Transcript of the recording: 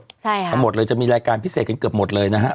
ใช่ค่ะทั้งหมดเลยจะมีรายการพิเศษกันเกือบหมดเลยนะฮะ